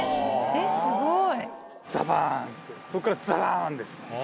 えっすごい。